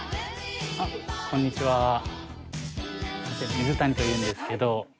水谷というんですけど。